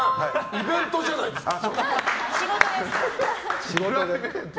イベントじゃないですか。